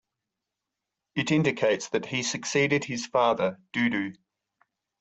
It indicates that he succeeded his father Dudu.